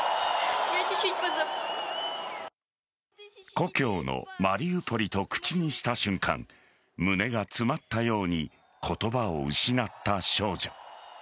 故郷のマリウポリと口にした瞬間胸が詰まったように言葉を失った少女。